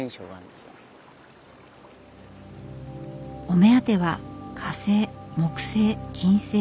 お目当ては火星木星